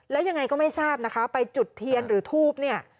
แล้วยังไงก็ไม่ทราบนะคะไปจุดเทียนหรือทูบเนี่ย